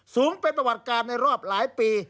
สูงเป็นประวัติการในรอบหลายปี